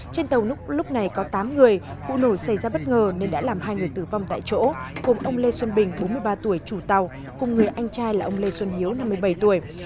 trên tàu lúc này có tám người vụ nổ xảy ra bất ngờ nên đã làm hai người tử vong tại chỗ gồm ông lê xuân bình bốn mươi ba tuổi chủ tàu cùng người anh trai là ông lê xuân hiếu năm mươi bảy tuổi